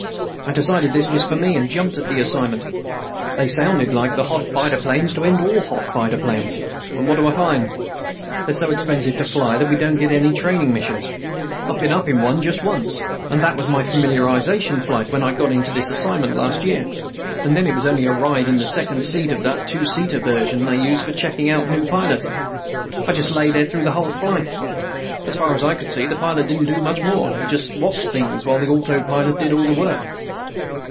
I decided this was for me, and jumped at the assignment. They sounded like the hot fighter planes to end all hot fighter planes. And what do I find? They're so expensive to fly that we don't get any training missions. I've been up in one just once, and that was my familiarization flight, when I got into this assignment last year. And then it was only a ride in the second seat of that two seat version they use for checking out new pilots. I just lay there through the whole flight. And as far as I could see, the pilot didn't do much more. He just watched things while the autopilot did all the work."